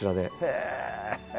へえ！